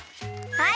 はい！